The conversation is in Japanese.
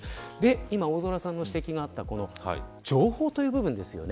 今、大空さんの指摘があった情報という部分ですよね。